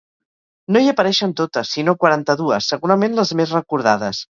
No hi apareixen totes, sinó quaranta-dues, segurament les més recordades.